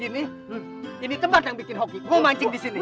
ini ini tempat yang bikin hoki gue mancing di sini